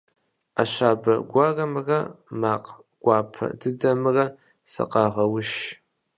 Ӏэ щабэ гуэрымрэ макъ гуапэ дыдэмрэ сыкъагъэуш.